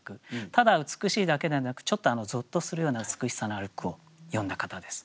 ただ美しいだけではなくちょっとぞっとするような美しさのある句を詠んだ方です。